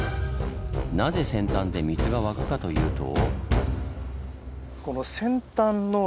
なぜ扇端で水が湧くかというと？